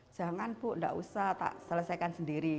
jangan bu nggak usah selesaikan sendiri